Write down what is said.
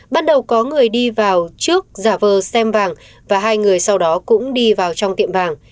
bắt đầu có người đi vào trước giả vờ xem vàng và hai người sau đó cũng đi vào trong tiệm vàng